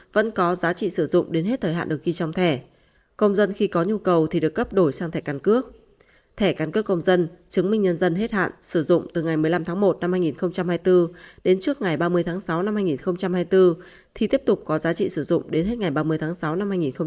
vẫn có giá trị sử dụng đến hết thời hạn được ghi trong thẻ công dân khi có nhu cầu thì được cấp đổi sang thẻ căn cước thẻ căn cước công dân chứng minh nhân dân hết hạn sử dụng từ ngày một mươi năm tháng một năm hai nghìn hai mươi bốn đến trước ngày ba mươi tháng sáu năm hai nghìn hai mươi bốn thì tiếp tục có giá trị sử dụng đến hết ngày ba mươi tháng sáu năm hai nghìn hai mươi bốn